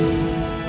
dedenu se tampa